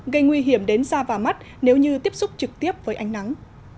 gây nguy hiểm đến da và mắt nếu như tiếp xúc trực tiếp với ánh nắng